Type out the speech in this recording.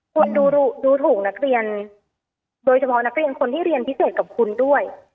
คุณดูถูกนักเรียนโดยเฉพาะนักเรียนคนที่เรียนพิเศษกับคุณด้วย